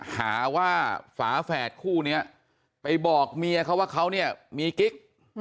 หาว่าฝาแฝดคู่นี้ไปบอกเมียเขาว่าเขาเนี่ยมีกิ๊ก